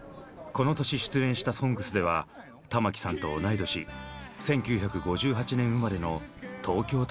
この年出演した「ＳＯＮＧＳ」では玉置さんと同い年１９５８年生まれの東京タワーで歌いました。